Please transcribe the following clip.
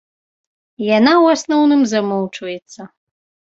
Яна ў асноўным замоўчваецца.